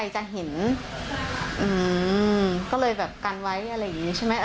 ใครจะเห็นอืมก็เลยบังกันไว้อีกพีมัน